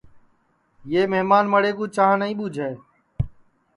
یہ مھمان مڑے کُو چاں نائی ٻوجھے